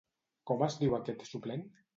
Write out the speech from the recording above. Com es diu aquest suplent?